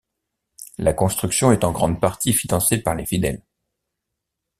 La construction est en grande partie financée par les fidèles.